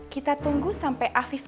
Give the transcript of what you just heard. kita tunggu sampai afif